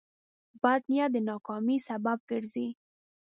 بد نیت د ناکامۍ سبب ګرځي.